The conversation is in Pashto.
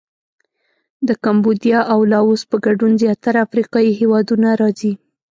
د کمبودیا او لاووس په ګډون زیاتره افریقایي هېوادونه راځي.